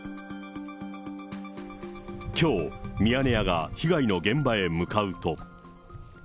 きょう、ミヤネ屋が被害の現場へ向かうと。